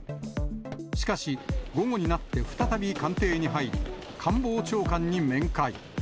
しかし、午後になって再び官邸に入り、官房長官に面会。